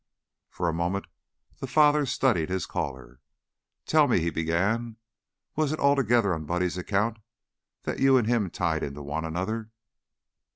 For a moment the father studied his caller. "Tell me," he began, "was it altogether on Buddy's account that you an' him tied into one another?"